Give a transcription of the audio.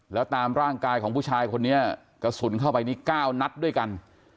แล้วตามร่างกายของผู้ชายคนนี้กระสุนเข้าไปนี่๙นัดด้วยกัน